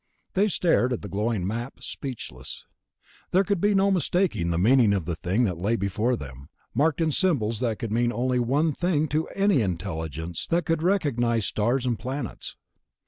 They stared at the glowing map, speechless. There could be no mistaking the meaning of the thing that lay before them, marked in symbols that could mean only one thing to any intelligence that could recognize stars and planets.